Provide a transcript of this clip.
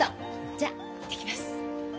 じゃ行ってきます。